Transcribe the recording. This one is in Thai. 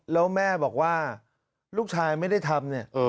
แล้วแม่บอกว่าลูกชายไม่ได้ทำเนี่ย